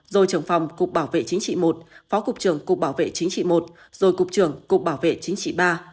rồi trưởng phòng cục bảo vệ chính trị i phó cục trưởng cục bảo vệ chính trị i rồi cục trưởng cục bảo vệ chính trị iii